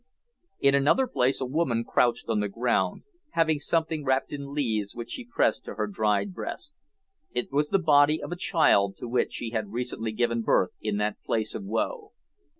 In another place a woman crouched on the ground, having something wrapped in leaves which she pressed to her dried breast. It was the body of a child to which she had recently given birth in that place of woe.